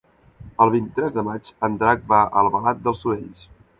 El vint-i-tres de maig en Drac va a Albalat dels Sorells.